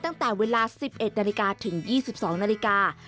ตั้งแต่เวลา๑๑นาฬิกาถึง๒๒นาฬิกา